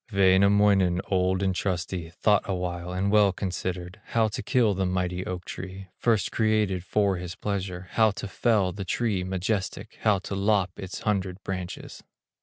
Wainamoinen, old and trusty, Thought awhile, and well considered, How to kill the mighty oak tree, First created for his pleasure, How to fell the tree majestic, How to lop its hundred branches.